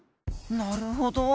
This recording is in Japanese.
なるほど。